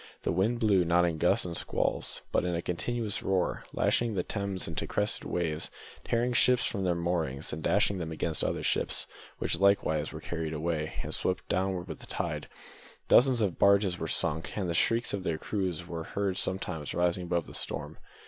The wind blew, not in gusts and squalls, but in one continuous roar, lashing the Thames into crested waves, tearing ships from their moorings, and dashing them against other ships, which were likewise carried away, and swept downward with the tide. Dozens of barges were sunk, and the shrieks of their crews were heard sometimes rising above the storm.